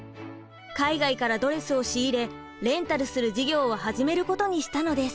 海外からドレスを仕入れレンタルする事業を始めることにしたのです。